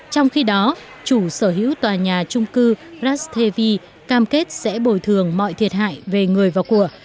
trong khi đó chủ sở hữu tòa nhà trung cư rastevi cam kết sẽ bồi thường mọi thiệt hại về người và của